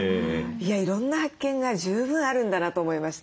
いろんな発見が十分あるんだなと思いました。